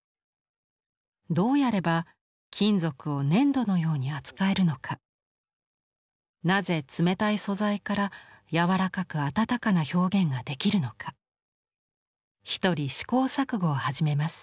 どうやれば金属を粘土のように扱えるのかなぜ冷たい素材から柔らかく温かな表現ができるのか独り試行錯誤を始めます。